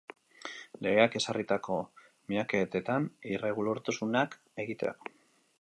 Legeak ezarritako miaketetan irregulartasunak egitea.